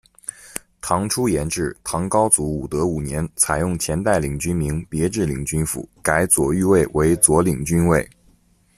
唐初沿置，唐高祖武德五年，采用前代领军名别置领军府，改左御卫为左领军卫。